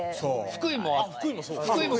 福井も！